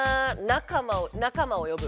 「仲間を呼ぶ！」。